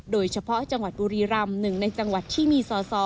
โดยเฉพาะจังหวัดบุรีรำหนึ่งในจังหวัดที่มีสอสอ